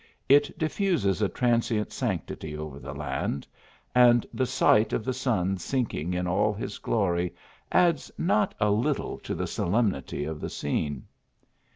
It diffuses a tran sient sanctity over the land, and the sight of the sun sinking in all his glory, adds not a little to the so lemnity of the scene.